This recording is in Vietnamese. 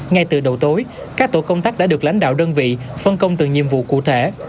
ngay từ đầu tối các tổ công tác đã được lãnh đạo đơn vị phân công từ nhiệm vụ cụ thể